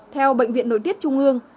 theo bệnh viện nội tiết trung ương